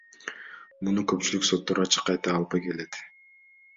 Муну көпчүлүк соттор ачык айта албай келет.